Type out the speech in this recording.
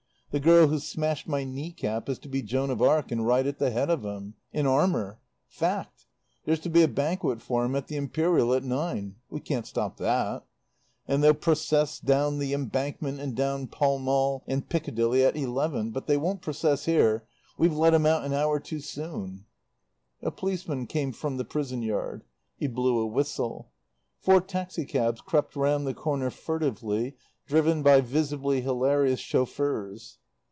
The girl who smashed my knee cap is to be Joan of Arc and ride at the head of 'em. In armour. Fact. There's to be a banquet for 'em at the Imperial at nine. We can't stop that. And they'll process down the Embankment and down Pall Mall and Piccadilly at eleven; but they won't process here. We've let 'em out an hour too soon." A policeman came from the prison yard. He blew a whistle. Four taxi cabs crept round the corner furtively, driven by visibly hilarious chauffeurs.